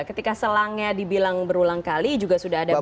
ketika selangnya dibilang berulang kali juga sudah ada